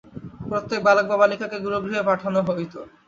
প্রত্যেক বালক বা বালিকাকে গুরুগৃহে পাঠান হইত।